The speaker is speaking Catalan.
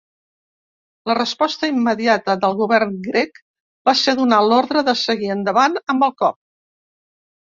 La resposta immediata del govern grec va ser donar l'ordre de seguir endavant amb el cop.